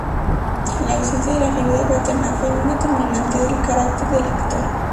La ausencia de la figura paterna fue un determinante del carácter del actor.